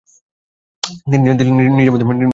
তিনি ছিলেন দিল্লির নিজামুদ্দিন আউলিয়া এর শিষ্য।